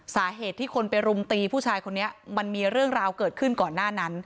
สาเหตุที่คนไปรุมตีผู้ชายคนนี้มันมีเรื่องราวเกิดขึ้นก่อนหน้านั้น